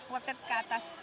waktunya ke atas